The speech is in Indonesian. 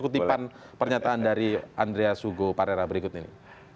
kutipan pernyataan dari andreas hugo parera berikut ini